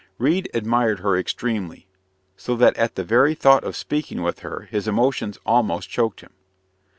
Reade admired her extremely, so that at the very thought of speaking with her his emotions almost choked him.